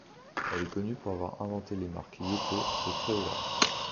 Elle est connue pour avoir inventé les marques Yoco et Créola.